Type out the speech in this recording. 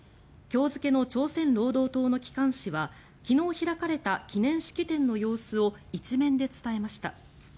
今日付の朝鮮労働党の機関紙は昨日開かれた記念式典の様子を１面で伝えました。